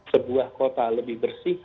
sebuah kota lebih bersih